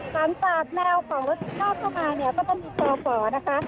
หลังจากแนวของรถที่นอกเข้ามาเนี่ยมันก็จะมีต่อนะคะ